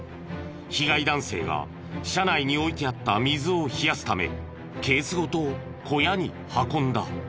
被害男性が車内に置いてあった水を冷やすためケースごと小屋に運んだ。